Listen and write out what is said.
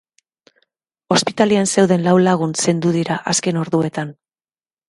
Ospitalean zeuden lau lagun zendu dira azken orduetan.